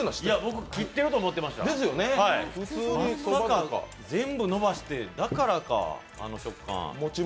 僕、切ってると思ってましたまさか全部伸ばして、だからかあの食感。